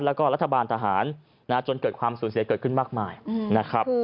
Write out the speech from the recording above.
แล้วก็รัฐบาลทหารจนเกิดความสูญเสียเกิดขึ้นมากมายนะครับ